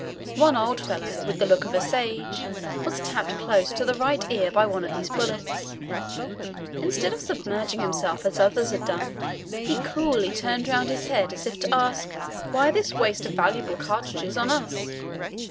One old fellow, with the look of a sage, was tapped close to the right ear by one of these bullets. Instead of submerging himself as others had done he coolly turned round his head as if to ask, "Why this waste of valuable cartridges on us?"